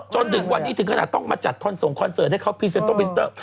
จนถึงวันนี้ถึงขนาดต้องมาจัดคอนส่งคอนเสิร์ตให้เขาพรีเซนโตบิสเตอร์